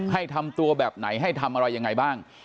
ทำตัวแบบไหนให้ทำอะไรยังไงบ้าง